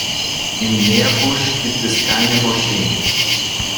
In Meerbusch gibt es keine Moscheen.